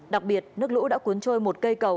đặc biệt nước lũ đã cuốn trôi một cây cầu